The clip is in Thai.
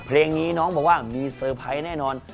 เพลงนี้น้องบอกว่ามีเซอร์ไพรส์แน่นอน